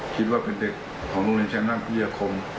คิดว่าเป็นเด็กของโรงเรียนชั้นนาภิเยียคม